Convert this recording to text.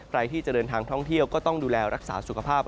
ใครที่จะเดินทางท่องเที่ยวก็ต้องดูแลรักษาสุขภาพ